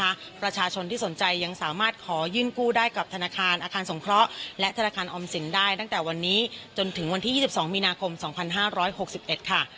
ประชาชนที่สนใจยังสามารถขอยื่นกู้ได้กับธนาคารอาคารสงเคราะห์และธนาคารออมสินได้ตั้งแต่วันนี้จนถึงวันที่๒๒มีนาคม๒๕๖๑ค่ะ